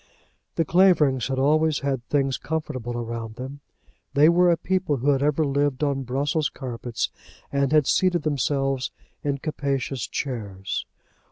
The Claverings had always had things comfortable around them. They were a people who had ever lived on Brussels carpets, and had seated themselves in capacious chairs.